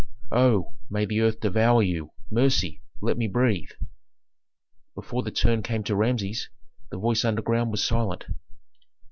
"Oh, may the earth devour you! mercy! let me breathe!" Before the turn came to Rameses the voice underground was silent.